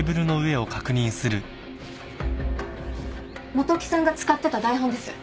元木さんが使ってた台本です。